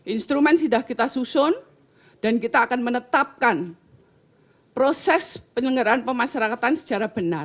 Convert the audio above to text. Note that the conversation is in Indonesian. intrumen sudah kita susun dan kita akan menetapkan proses pengenkaraan pemasyarakatan secara benar